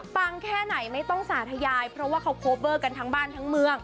แค่ไหนไม่ต้องสาธยายเพราะว่าเขาโคเวอร์กันทั้งบ้านทั้งเมือง